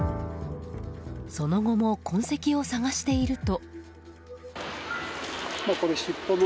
その後も痕跡を探していると。